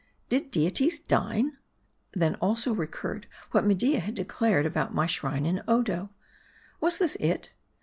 Did deities dine ? Then also recurred what Media had declared about my shrine in Odo. Was this it